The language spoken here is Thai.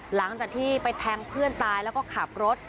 หลังจากที่ไปแทงเพื่อนตายแล้วก็ขับรถ